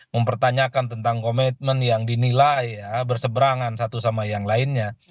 mempertanyakan tentang komitmen yang dinilai berseberangan satu sama yang lainnya